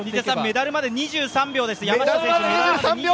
メダルまで２３秒です。